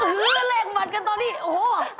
เลขหมัดกันตอนนี้โอ้โห